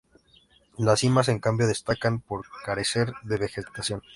Las cimas en cambio destacan por carecer de vegetación.